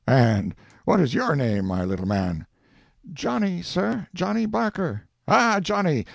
And what is your name, my little man?' "'Johnny, sir—Johnny Barker.' "'Ah—Johnny.